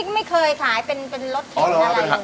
ไม่เคยขายเป็นรถเข็น